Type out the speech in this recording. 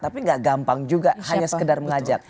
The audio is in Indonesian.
tapi gak gampang juga hanya sekedar mengajak